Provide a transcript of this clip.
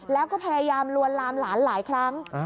แล้วก็พยายามลวนลามหลานหลายครั้ง